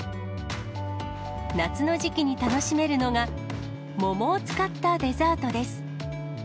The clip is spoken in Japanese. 夏の時季に楽しめるのが、桃を使ったデザートです。